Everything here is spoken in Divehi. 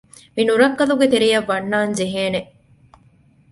މި ނުރައްކަލުގެ ތެރެއަށް ވަންނާން ޖެހޭނެ